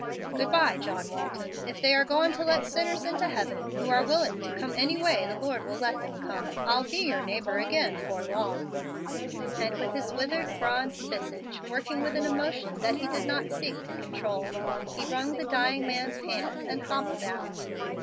Good by, John Walton. If they are goin' to let sinners into heaven who are willin' to come any way the Lord will let 'em come, I'll be yer neighbor again 'fore long;" and with his withered, bronzed visage working with an emotion that he did not seek to control, he wrung the dying man's hand, and hobbled out.